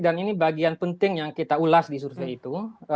ini bagian penting yang kita ulas di survei itu